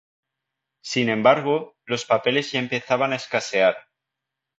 Sin embargo, los papeles ya empezaban a escasear.